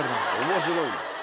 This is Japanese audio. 面白いな。